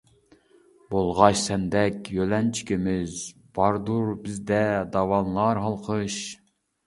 بولغاچ سەندەك يۆلەنچۈكىمىز، باردۇر بىزدە داۋانلار ھالقىش.